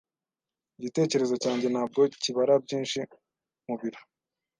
Igitekerezo cyanjye ntabwo kibara byinshi mubiro.